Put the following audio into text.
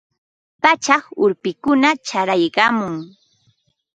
Pachak urpikunam chayarqamun.